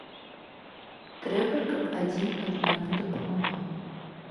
Трэба, каб адзін аднаму дапамагаў.